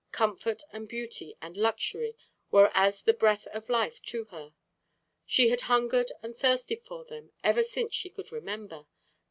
Comfort and beauty and luxury were as the breath of life to her. She had hungered and thirsted for them ever since she could remember.